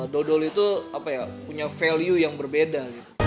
dodol itu punya value yang berbeda